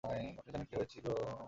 আপনি জানেন, কী হয়েছিল?